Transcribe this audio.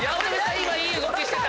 今いい動きしてた！